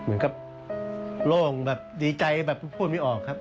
เหมือนกับโล่งแบบดีใจแบบพูดไม่ออกครับ